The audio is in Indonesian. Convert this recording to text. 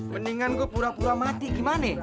mendingan gue pura pura mati gimana